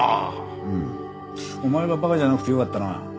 うんお前は馬鹿じゃなくてよかったな。